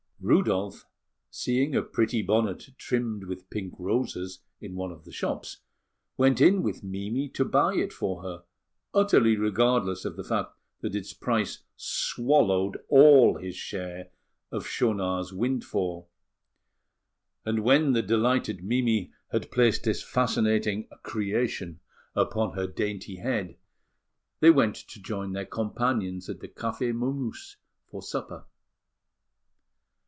Rudolf, seeing a pretty bonnet trimmed with pink roses in one of the shops, went in with Mimi to buy it for her, utterly regardless of the fact that its price swallowed all his share of Schaunard's windfall; and when the delighted Mimi had placed this fascinating "creation" upon her dainty head, they went to join their companions at the Café Momus for supper.